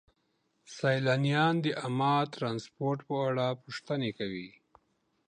سیلانیان د عامه ترانسپورت په اړه پوښتنې کوي.